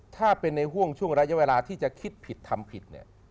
ถ้าเป็นในห่วงช่วงระยะเวลาที่จะคิดผิดทำผิดเนี่ย